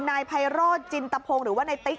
นายพายรอดจินตะโพงหรือว่านายติ๊ก